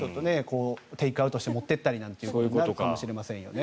テイクアウトして持っていったりなんてこともいいかもしれませんね。